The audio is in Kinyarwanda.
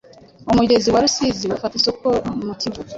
Umugezi wa Rusizi ufata isoko mu Kivu